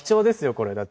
これだって。